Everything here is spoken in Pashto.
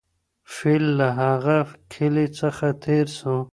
فیل له هغه کلي څخه تېر سو.